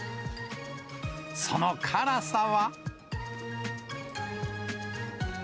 その辛さは。